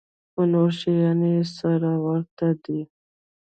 خو نور شيان يې سره ورته دي.